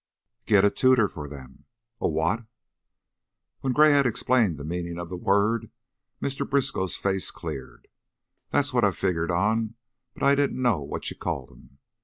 "Get a tutor for them." "A what?" When Gray had explained the meaning of the word, Mr. Briskow's face cleared. "That's what I figgered on, but I didn't know what you called 'em.